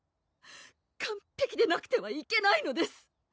完璧でなくてはいけないのです！